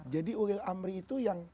jadi ulil amri itu yang